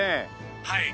「はい」